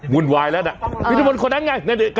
คุณชิตภพนคนนั้นไง